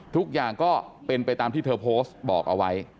ทุกอย่างก็เป็นไปตามที่เธอโพสต์บอกเอาไว้